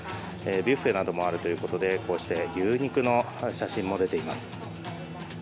ビュッフェなどもあるということで牛肉の写真も出ています。